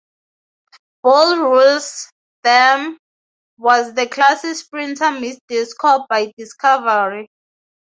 Bold Ruler's dam was the classy sprinter Miss Disco, by Discovery.